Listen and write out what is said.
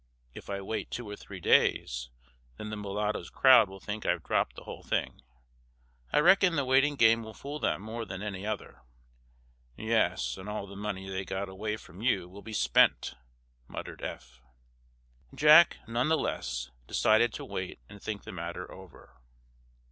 If I wait two or three days, then the mulatto's crowd will think I've dropped the whole thing. I reckon the waiting game will fool them more than any other." "Yes, and all the money they got away from you will be spent," muttered Eph. Jack, none the less, decided to wait and think the matter over.